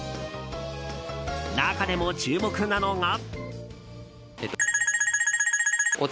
中でも注目なのが。